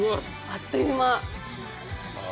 あっという間。